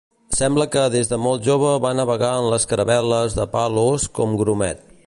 Sembla que des de molt jove va navegar en les caravel·les de Palos com grumet.